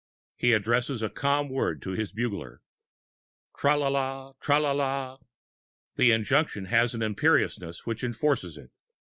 He addresses a calm word to his bugler. Tra la la! Tra la la! The injunction has an imperiousness which enforces it.